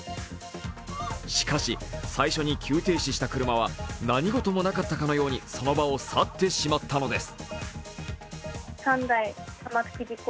しかし、最初に急停止した車は何事もなかったかのようにその場を去ってしまったのです。